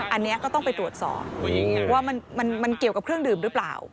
อันนี้ก็ต้องไปตรวจสอบว่ามันเกี่ยวกับเครื่องดื่มหรือเปล่า